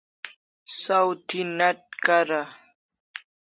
Saw thi n'at kara